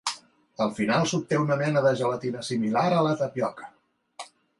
Al final s'obté una mena de gelatina similar a la tapioca.